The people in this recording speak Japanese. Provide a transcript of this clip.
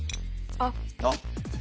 あっ。